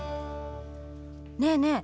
ねえねえ